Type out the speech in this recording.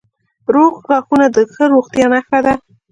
روغ غاښونه د ښه روغتیا نښه ده.